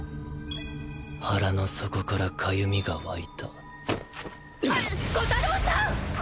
腹の底から痒みが湧いた弧太郎さん！